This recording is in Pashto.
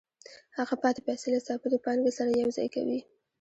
هغه پاتې پیسې له ثابتې پانګې سره یوځای کوي